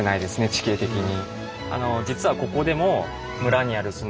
地形的に。